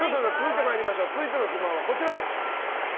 続いての不満はこちらです。